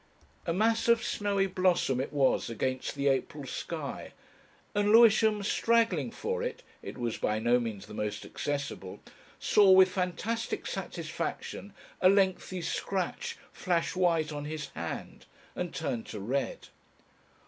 A mass of snowy blossom it was against the April sky, and Lewisham, straggling for it it was by no means the most accessible saw with fantastic satisfaction a lengthy scratch flash white on his hand, and turn to red.